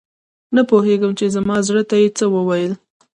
نه پوهیږم چې زما زړه ته یې څه وویل؟